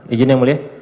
ijin yang mulia